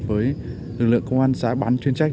với lực lượng công an xã bán chuyên trách